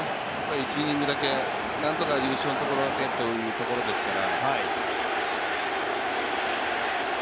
１イニングだけ、何とか優勝のところだけというところですから。